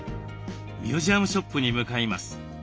ミュージアムショップに向かいます。